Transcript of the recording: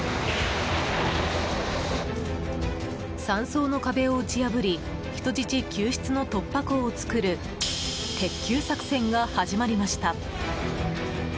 山荘の壁を打ち破り人質救出の突破口を作る鉄球作戦が始まりました。